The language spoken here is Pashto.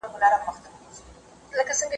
د نفقې حق د کورنۍ د اوسېدنې سره تړلی دی.